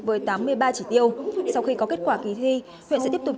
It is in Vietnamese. với tám mươi ba chỉ tiêu sau khi có kết quả kỳ thi huyện sẽ tiếp tục